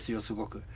すごく。